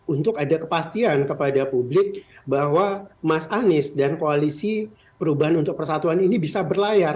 untuk ada kepastian kepada publik bahwa mas anies dan koalisi perubahan untuk persatuan ini bisa berlayar